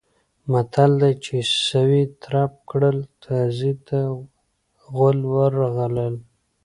متل دی: چې سویې ترپ کړل تازي ته غول ورغلل.